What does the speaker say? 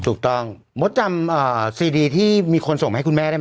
ถูกต้องมดจำซีดีที่มีคนส่งมาให้คุณแม่ได้ไหม